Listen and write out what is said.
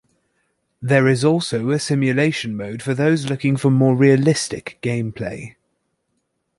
There is also a simulation mode for those looking for more realistic gameplay.